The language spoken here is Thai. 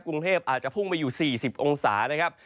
กรุงเทพอาจจะพุ่งไปอยู่๔๐องศานะครับ